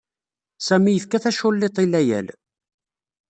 Sami yefka taculliḍt i Layal.